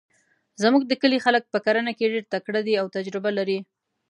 زموږ د کلي خلک په کرنه کې ډیرتکړه ده او تجربه لري